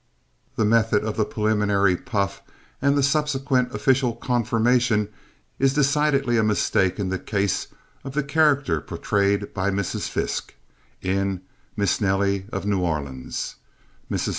The method of the preliminary puff and the subsequent official confirmation is decidedly a mistake in the case of the character portrayed by Mrs. Fiske in Mis' Nelly, of N'Orleans. Mrs.